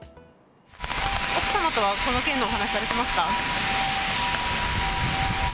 奥様とはこの件のお話されてますか。